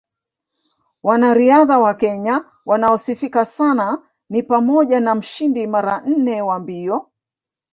Wanariadha wa Kenya wanaosifika sana ni pamoja na mshindi mara nne wa mbio